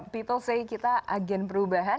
people say kita agen perubahan